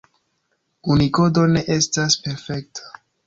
Unikodo ne estas perfekta.